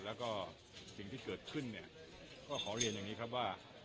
แล้วก็สิ่งที่เกิดขึ้นเนี่ยก็ขอเรียนอย่างนี้ครับว่า